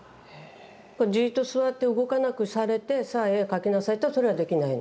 じっと座って動かなくされて「さあ絵描きなさい」ってのはそれはできない。